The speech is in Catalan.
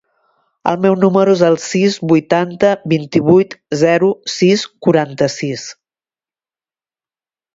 El meu número es el sis, vuitanta, vint-i-vuit, zero, sis, quaranta-sis.